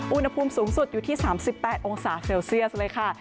อุณหภูมิสูงสุดอยู่ที่๓๘องศาเซลเซียสเลยค่ะ